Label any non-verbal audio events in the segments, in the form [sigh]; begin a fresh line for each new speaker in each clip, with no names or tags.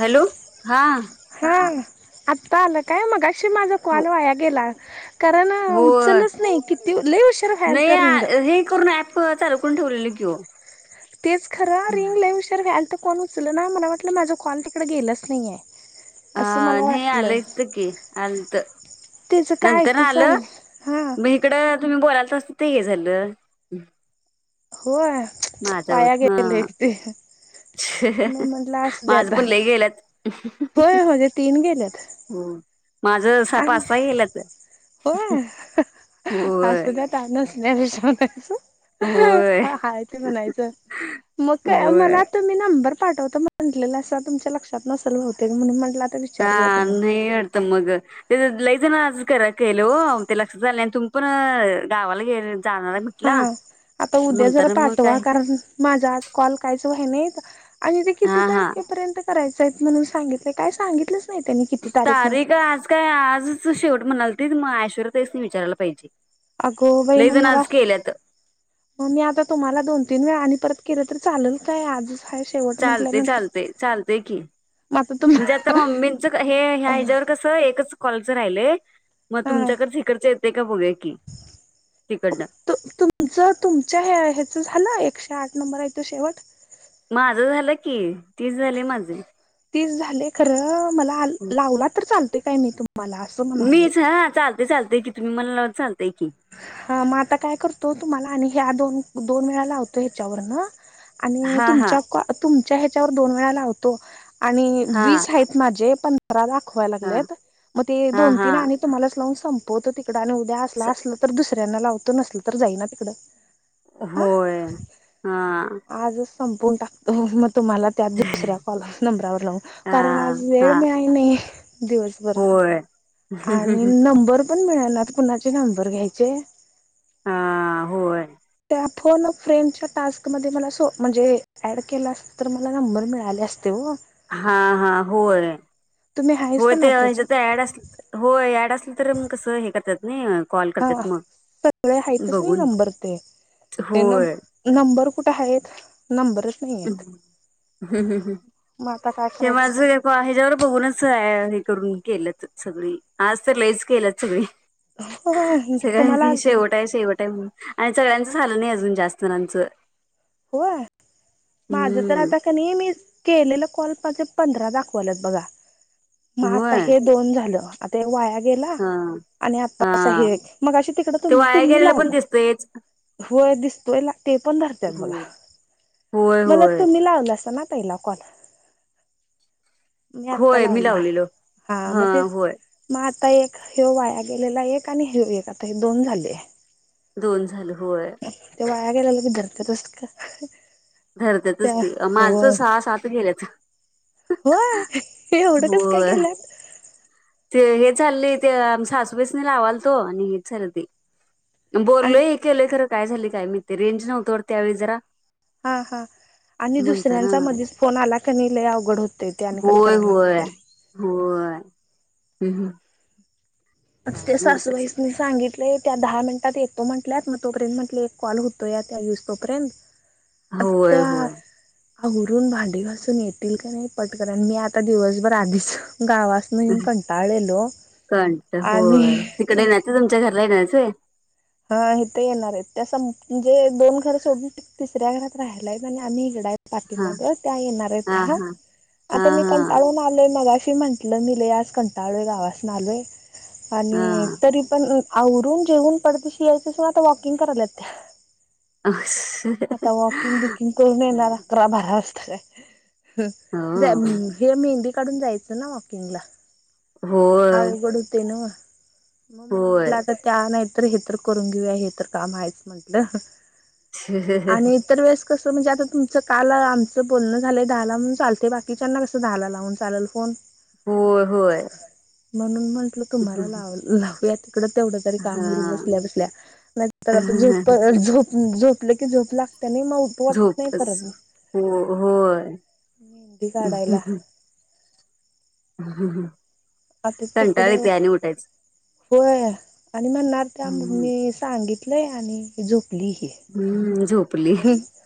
Hello हा
आता आलं काय? मगाशी माझा
हो
काॅल वाया गेला कारण
हो
उचलच नाही किती लई उशीर व्हायल तर रिंग
नाही हे करून ऍप चालू करून ठेवलेलो कि ओ
तेच खर रिंग लई उशर व्ह्यालत तर कोण उचलना मला वाटलं माझा कॉल तिकड गेलाच नाहीये
आ..
असं मला
नाही
वाटलं
आलेयत की आलत
त्याचं काय
नंतर न
ऐकूच
आलं
हा
मी हिकड तुम्ही बोलालतासा ते हे झालं
होय [inaudible] वाया
माझ्यावर हा
गेल एक मग म्हटलं असू दे
माझं
आता
पण
[inaudible]
लय गेल्यात
होय माझे तीन गेल्यात
हो माझ
आ
पाच सहा गेल्यात
होय [inaudible]
होय
असूदे आता नसण्यापेक्षा [inaudible]
होय
[inaudible] हाय ते म्हणायचं मग काय
होय
मला आता मी नंबर पाठवतो म्हटलेलासा तुमच्या लक्षात नसल बहूतेक म्हणून म्हट
का नाही वाटत मग ते लईजन आज करा- केलो हो ते लक्षात आलं नाही आणि तुम्ही पण गावाला गे जाणार आहे
हा
म्हटला
आता उद्या
म्हणता
जरा
ना मग काय
पाठवा कारण माझा आज कॉल कायच व्हाय नाहीत आणि ते किती
हा हा
तारखेपर्यंत करायचय म्हणून सांगितले काय सांगितलं
तारीख आज काय आजच शेवट म्हणालतित मग आश्वर्या ताईसनी विचारायला पाहिजे
अगो बाई
लई
मग
जण
मला-
आज केल्यात
मग मी आता तुम्हाला दोन- तीन वेळा आणि परत केले तर चालेल काय आजच? हाय शेवट म्हटल्यानंतर
चालतय-चालतय- चालतय की
मग आता तुम
म्हणजे आता मम्मींच हे ह्याच्यावर कस एकच कॉलच राहिलय मग तुमच्याकडच हिकडच येतय का बघू या की तिकडनं
तुमच -तुमच्या ह्याच झालं एकशे आठ नंबर आहे तो शेवट
माझं झालं की तीस झाली माझे
तीस झाले खर मला- लावला तर- चालतय काय मी तुम्हासनी
मीच हा चालते चालते की तुम्ही मला लावत चालतय की
हा मग आता काय करतो तुम्हाला आणि ह्या दोन- दोन वेळा लावतो ह्याच्यावर न आणि
हा हा
तुमच्या- तुमच्या ह्याच्यावर दोन वेळा लावतो आणि
हा
वीस आहेत माझे सतरा दाखवाय
हा
लागलेत मग ते
हा
दोन
हा
-तीन आणि तुम्हाला लावून संपवतो तिकड आणि उद्या असला-
स-
अस दुसऱ्यांना लावतो नसल तर जाई ना तिकडं हा
होय हा
संपून टाकतो [inaudible] तुम्हाला त्या दुसऱ्या कॉल- नंबरावर लावू
हा
कारण आज
हा
वेळ मिळाय नाही दिवसभर
होय
आणि नंबर [inaudible] पण मिळाल्यात कुणाचे नंबर घ्यायचे
हा -होय
त्या फोन अ फ्रेंडच्या टास्क मध्ये मला सो म्हणजे ऍड केला अस तर मला नंबर मिळाले असते वो
हा -हा- होय
तुम्ही हायसा
होय ते
ना
हेच्यात
त्याच्यात
ॲड असं -होय ॲड असलं तर मग कसं हे करतात नाय
हा [inaudible] सगळे हायतच नाही नंबर ते न
होय
[inaudible] नंबर कुठे आहेत नंबरच नाही आहेत
ह्म्म
मग आता काय
-ह्म्म [inaudible]
करायचं
ह्याच्यायावर बघूनच ॲड ॲड करून केलत सगळी आज तर लईच केल्यात सगळी [inaudible] [inaudible]
हो तुम्हाला
सगळ्यासनी
आज
शेवट आहे शेव वट आणि सगळ्यांच झालं नाही अजून जास्त जनाचं
होय.. माझ तर आता का नाही मी केलेलं कॉल मध्ये पंधरा दाखवालयात बघा मग आता
होय
हे दोन झाल आता हे वाया गेला
हा
आणि
हा
आता असं हे मगाशी अ तिकड
ते वाया
तुमी-तुम्ही
गेलेलं
लाव
पण दिसतयच.
होय दिसतोय ते पण धरतेत बघा.
हो होय
मला
होय
तुम्ही लावलासा ना. पहिला कोन? मी आता
होय मी
लावला
लावलेलो
हा म तेच आता एक ह्यव वाया गेलेला एक आणि ह्यव एक आता हे दोन झाले.
दोन झालं, होय..
ते वाया गेल्याला ब धरतातस का?
धरत्यातच
त्या
ते
हो
माझच सहा सात गेल्यात.
होय. एवढं कस काय
होय
केल्यात?
ते हे चालय ते सासूबासनी लावालतो आणि हेच झाल ते.
आणि
बोललोय हे केलोय खरं काय झालं काय मी ते रेंज नव्हतं त्यावेळी जरा
हा -हा. आणि
म्हणताना
दुसऱ्यांचा मधीच फोन आला क नि लय अवघड होतय ते आणि
होय
कटकरायला
होय
लागतोय.
होय.. हम्म हम्
ते सासूबाईसनी सांगितलय. त्या दहा मिनिटात येतो म्हटल्यात मग तोपर्यंत म्हटलं एक कॉल होतो या त्या येईसतोपर्यंत. अ
होय
[unintelligible]
होय
आवरून भांडी घासून येतील का नाही पटकर आणि मी आता दिवसभर आधीच गावासन येऊन कंटाळलेलो..
कंट
आणि
होय तिकडे येण्यायचं तुमच्या घरला येणारायत होय.
हा इथ येणार आहे त्यास- म्हणजे दोन घर सोडून तिसऱ्या घरात राहिलाय आणि आम्ही इकडाय..
हा
पाठीमाग त्या येणार
हा
आहे
हा हा
-आता मी
हा
कंटाळून आलोय मग म्हंटलं मी लय आज कंटाळू गावासन आलोय आणि
हा
तरी पण आवरून जेवून पटदिशी यायच अस आता वॉकिंग करायल्यात त्या. आता वॉकिंग बिकिंग करून येणार अकरा -बारा वाजता काय.
हो
हं हे मेहंदी काढून जायचं ना वॉकिंगला.
होय
अवघड हूतय नव्ह. मग मी
होय
म्हंटलं आता त्या नाहीतर हे तर करून घेऊया हे तर काम हायचं म्हंटलं.
रिकामा ऑडिओ
कसं म्हणजे आता तुमचं काल आमचं बोलणं झालंय दहाला म्हणून चालते बाकीच्याना कसं दहाला लावून चालेल फोन?
हो -होय.
म्हणून म्हंटलं तुम्हाला लावू -लावूयात. तुला तेवढ तरी काम
हा
होइल बसल्या- बसल्या नाहीतर झोप-झोप झोपलं की झोप लागतन नाही मग उठ वाटत नाही
झोपच
परत म
हो होय
मेंदी काढायला.
ह
आता
कंटाळेत
तिकडं
आणि उठायच.
होय आणि म्हणणार त्या
हम्म
मी सांगितलंय आणि झुक
हम्म झोप.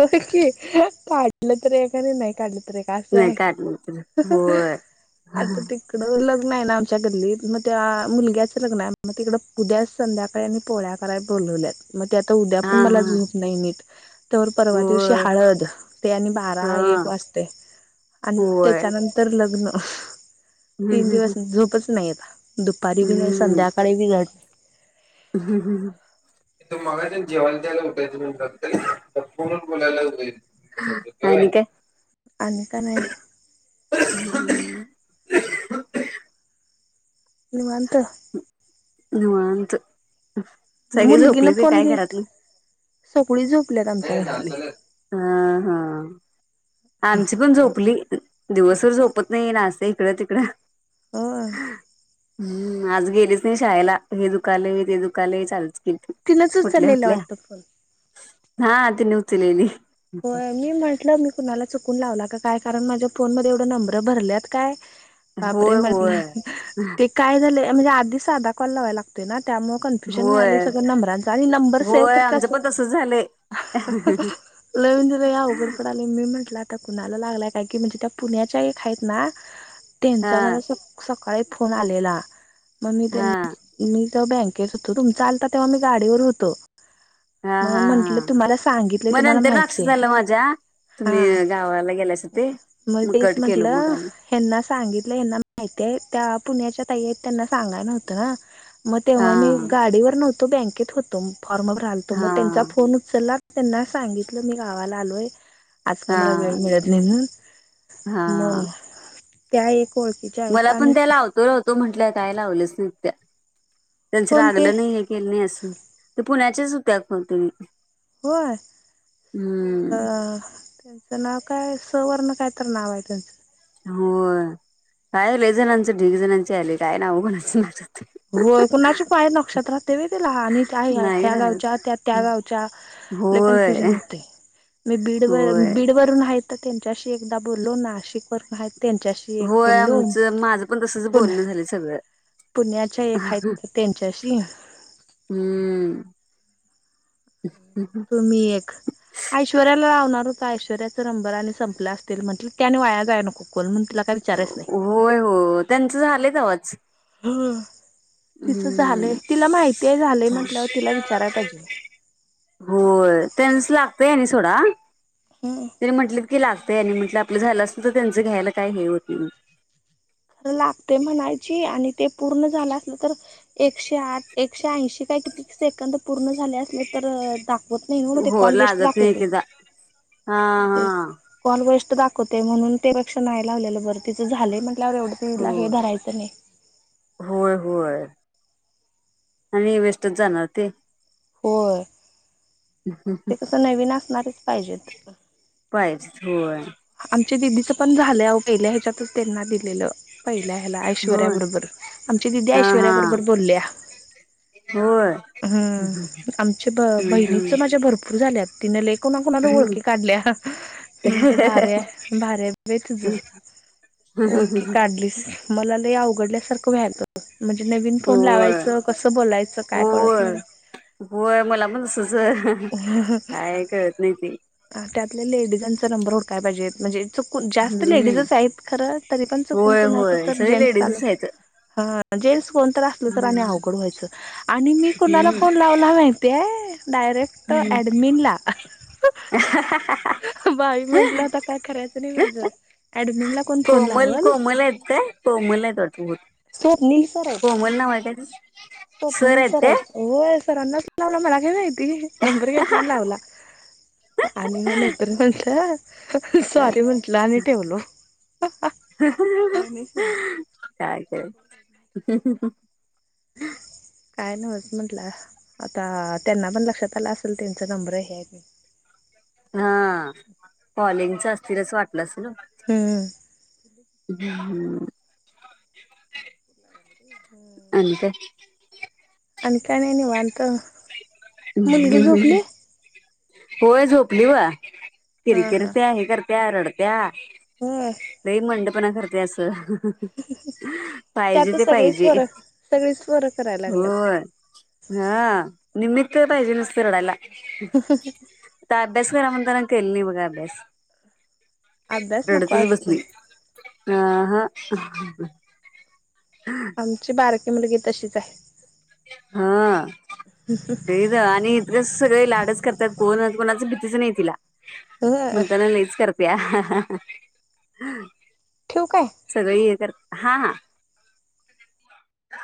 काढलं तर आहे का नाही नाही काढलं तरी
नाही काढली तुला होय हा
आता तिकड. लग आच्या गल्लीत मग त्या मुलग्याच लग्न आहे मग तिकडे उद्या संध्याकाळी आणि पोळ्या कराय बोल मग आ उद्या
हा
पण मला झोप नाय नीट. तर परवा दिवशी
होय
हळद ते आणि बारा
हा
एक वाजतय. आणि
होय
त्याच्यानंतर लग्न.
हम्म
तीन
हम्म
दिवस झोपच नाही आता दुपारी बी नाही
हम्म
संध्याकाळी बी धड
हम्म हम् हं. [inaudible] काय तें?
आणि कं नाय. निवांत.
निवांत सगळे
मुलगीनं
झोपले ते
फोन
काय
घेत
घरातन.
सगळी झोपल्यात आमच्या घरातली
हा हा. आमची पण झोपली दिवसभर झोपत नाही ना अस इकडं तिकडं
हो
हम्म आज गेलीच नाही शाळेला हे दुकान मी ते दुकानल आहे चाल
तिनंच
कुठल्या
उचललेलं
कुठल्या
वाटतं फोन
हा तिने उचलेली.
हो मी म्हंटलं मी कुणाला चुकून लावला का काय कारण माझ्या फोन मध्ये एवढं नंबर भरल्यात काय बाबरे
होय
म्हटलं
होय.
ते काय झालं म्हणजे आधी साधा कल लावायला लागतोय ना त्यामुळे कन्फ्युजन व्हाला
होय
सगळ नंबरांचा आणि नंबर सेव्ह
होय
तर कस
आमचं पण तसच [unintelligible]
लवीन तला या उघड पडाले मी म्हटलं आत आता कुणाला लागलाय काय की म्हणजे त्या पुण्याच्या एक आहेत ना त्यांच मला
हा
स सकाळी फोन आलेला मग मी त्यां
हा
मी जेव बँकेत होतो तुम चालता तेव्हा मी गाडीवर होतो.
हा
मग म्हंटलं तुम्हाला सांगितले तुम्हाला माहि
लक्षसल माजा
हा मग तेच
कट केलो मग
म्हटलं
आणि
हना सांगितलं हना माहितीय त्या पुण्याच्या त त्यांना सांगाय नव्हत ना मग
हा
तेव्हा मी गाडीवर नव्ह तो बँकेत होतो फॉर्म भलतो मग
हा
त्यांचा फोन उचलला त्यांना सांगित ल मी गावाला आलोय. आज काय मला वेळ
हा
मिळत नाही म
हा मला पण त्यालावतो लावतो म्हटल्यात काय लाव नाही त्यांच
कोणते
लागलं नाही हे के नाही अस पुण्याच्याच होत्या कोणतरी.
होय.
हम्म
काय सवर्ण काय तर नाव आहे त्यांचं.
होय कायले जणांचं ढीग जणांची आले काय नाव म्हणायच. [unintelligible]
हो कुणाचे पाय नक्षत्रातते व तला आणि
नाही
ह्या
राहत
गावच्या त्या त्या गावच्या कन्फ्युजन
होय
होते मी बीडवर
होय
बीडवरून आहेत. त्यांच्याशी एकदा बोललो नाशिक वरून हाय
होय आमचं माझं पण तसच
पुन
बोलणं झालं सगळं
पुण्याच्या एक आहेत त्यांच्याशी
हम्म.
तुम्ही एक ऐश्वर्याला लावणार होता नंबर आणि संपला असतील म्हतल त्याने वाया जाय नको कॉल
होय हो त्यांचं झालंय तवाच.
[unintelligible] तिच झालंय तिला माहिती आहे झालंय म्हंटल्यावर तिला विचारायला पाहिजे
हो त्यानस लागतय सोडा
हम्म
त्यानी म्हटलं कि लागत त्यांनी म्हटलं आपलं झालं असल तर त्यांच घ्यायला काय हे होत.
लागते म्हणायची आणि ते पूर्ण झालं असल तर एकशे आठ एकशे ऐंशी ते काय किती सेकंद पूर्ण झाले असले तर दा वत नाही वो ते
हो
कॉल वेस्ट
लागत नाही
दाखवते
एकेकदा हा
ते
हा
कॉल वेस तू दाखवते म्हणून त्यापेक्षा नाही दाखवलेल बरं तिचं झाल म्हटवर
हो
तिला एवढा राग धरायच नाही.
होय होय आणि वेस्टच जाणार ते
होय ते कसं नवीन असणारच पाहिजेत.
पाय होय.
आमच्या दिदीचं पण झालं अहो आपल्या ह्याच्यातच त्यांना दिलेलं. आमच्या दीदी
होय
पहिल्यांदा
हा
ऐश्वर्या
हा
बरोबर बोलल्या
होय
हम्म आमच्या
हम्म
बहिणी
हम्म
पण माझ्या भरपूर झाल्यात. तिने लयं कोणा कोणाच्या
हम्म
ओळखी काढल्या नंतर न्या भन्या तझ ओळखी काढलीस मला लव पडल्यासारखं व्हालत. म्हणजे नवीन फोन
होय
लावायचं, कसं बोलायचं काय, कळत
होय
नाहीे.
होय मला पण तसंच
[inaudible] त्यातल्या लेडीजांचा नंबर हुडकाया पाहिजेत म्हणजे? जास्त
हम्म
लेडीजच आहेत खरं, तरी पण चुकून
होय
कोणाचं
होय
तर
सगळे
जेन्टस च आलं
लेडीजच
तर
आहेत.
ह. जेन्टस कोणतं तर असलं तरी, आणि
हम्म
अवघड व्हायचं, आणि मी कोणाला
हम्म
फोन लावला माहिती हाय? करेक्ट
हम्म
ॲडमिनला. [inaudible] बाई म्हंटलं आता काय खऱ्याच नाही माझं. ऍडमिनला कोण फोन
कोमल
लावल?
कोमल आहेत काय कोमल आहेत वाटत बहुतेक
स्वप्नील सर हाईत.
कोमल नाव आहे काय तिचं?
स्वप्नील सर
आहेत
हाईत. होय सरांनाच लावलाय मला काय माहित? ती नंबर घेतला आणि लावला
काय?
आणि मग नंतर म्हटलं सॉरी म्हटलं आणि ठेवलो.
[inaudible] काय करायच? [inaudible]
काय नवच म्हटलं, आता त्यांना पण लक्षात आलं असेल त्यांचा नंबर आहे.
हा कॉलिंगच असथील असं वाटलं असल ओ.
हम्म
हम्. [inaudible] आणि काय?
आणि काय नाही निवांत.
[inaudible]
मुलगी झोपली
होय झोपली बघा. किर
हा हा
किरत्या हे करत्या रडत्या.
होय
लई मंडपणा करतीया असं पाहिजे
आता
ते
सगळीच
पाहिजे.
पोरं सगळीच पोरं करायला लागल्यात
होय हा निम्मित पाहिजे नुसते रडायला.
अहह
आता अभ्यास करा म्हणताना केली नाही बघा अभ्यास.
अभ्यास नको.
अह ह. [inaudible]
आमची बारकी मुलगी तशीच हाय.
हा ते झा आणि इकडे सगळे लाडच करत्यात कोण कोणाची भीतीच नाही तिला,
ह
म्हणताना लईच करतीया. प्या
ठेवू काय
[inaudible] सगळी एक हा हा. [inaudible]